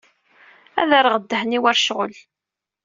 Ad rreɣ ddhen-iw ɣer ccɣel.